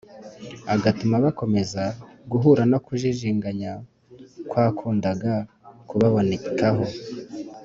agatuma bakomeza guhura no kujijinganya kwakundaga kubabonekaho